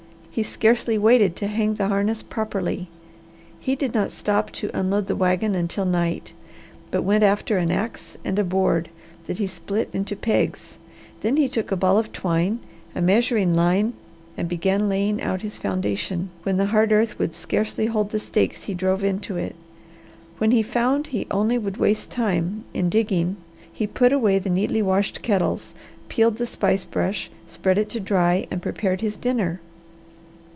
He scarcely waited to hang the harness properly. He did not stop to unload the wagon until night, but went after an ax and a board that he split into pegs. Then he took a ball of twine, a measuring line, and began laying out his foundation, when the hard earth would scarcely hold the stakes he drove into it. When he found he only would waste time in digging he put away the neatly washed kettles, peeled the spice brush, spread it to dry, and prepared his dinner.